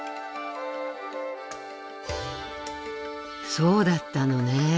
そうだったのね。